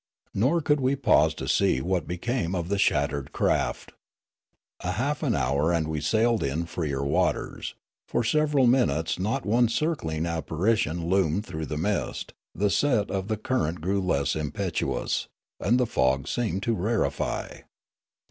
Nor could we pause to see what became of the shattered craft. A half an hour and we sailed in freer waters ; for several minutes not one circling ap parition loomed through the mist ; the set of the cur rent grew less impetuous; and the fog seemed to rarefy.